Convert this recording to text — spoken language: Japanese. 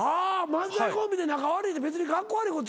漫才コンビで仲悪いって別にカッコ悪いことちゃうやないか。